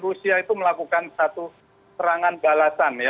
rusia itu melakukan satu serangan balasan ya